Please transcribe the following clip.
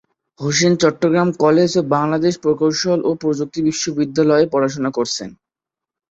Hossain Chittagong college ও বাংলাদেশ প্রকৌশল ও প্রযুক্তি বিশ্ববিদ্যালয়ে পড়াশোনা করেছেন।